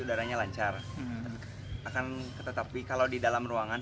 udaranya lancar akan tetapi kalau di dalam ruangan